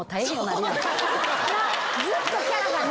ずっとキャラがな。